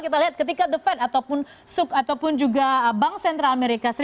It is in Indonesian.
kita lihat ketika the fed ataupun suk ataupun juga bank sentral amerika